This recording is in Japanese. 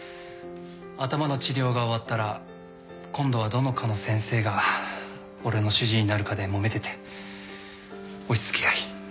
頭の治療が終わったら今度はどの科の先生が俺の主治医になるかでもめてて押し付け合い。